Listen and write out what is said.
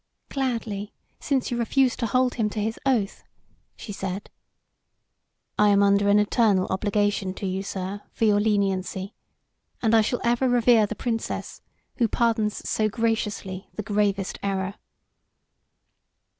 "Gladly, since you refuse to hold him to his oath," she said. "I am under an eternal obligation to you, sir, for your leniency, and I shall ever revere the Princess who pardons so graciously the gravest error."